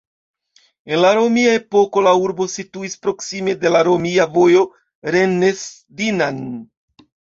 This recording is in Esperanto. En la romia epoko, la urbo situis proksime de la romia vojo Rennes-Dinan.